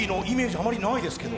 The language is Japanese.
あまりないですけど？